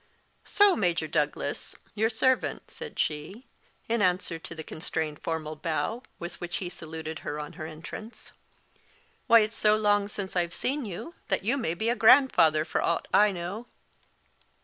"So, Major Douglas, your servant," said she, in answer to the constrained formal bow with which he saluted her on her entrance. "Why, it's so long since I've seen you that you may be a grandfather for ought I know."